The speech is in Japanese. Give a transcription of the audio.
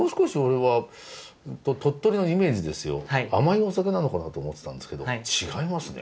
甘いお酒なのかなと思ってたんですけど違いますね。